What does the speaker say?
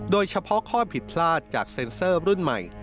โดยเฉพาะข้อผิดพลาดจากเซ็นเซอร์รุ่นใหม่